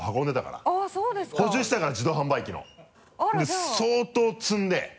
もう相当積んで。